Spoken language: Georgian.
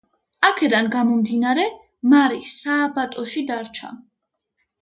აქედან გამომდინარე, მარი სააბატოში დარჩა.